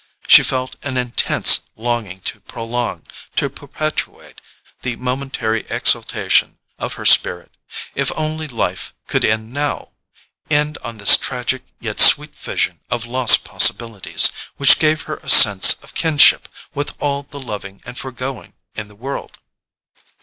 She felt an intense longing to prolong, to perpetuate, the momentary exaltation of her spirit. If only life could end now—end on this tragic yet sweet vision of lost possibilities, which gave her a sense of kinship with all the loving and foregoing in the world!